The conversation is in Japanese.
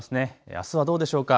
あすはどうでしょうか。